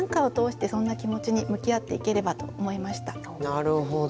なるほど。